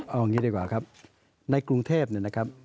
เอาอย่างนี้ดีกว่าครับในกรุงเทพเนี่ยนะครับ